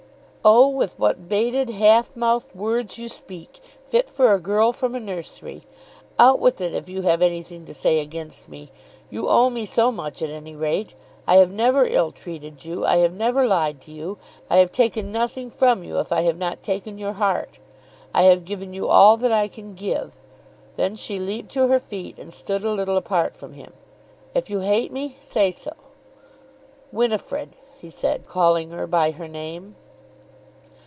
"Oh, with what bated, half mouthed words you speak, fit for a girl from a nursery! Out with it if you have anything to say against me! You owe me so much at any rate. I have never ill treated you. I have never lied to you. I have taken nothing from you, if I have not taken your heart. I have given you all that I have to give." Then she leaped to her feet and stood a little apart from him. "If you hate me, say so." "Winifrid," he said, calling her by her name.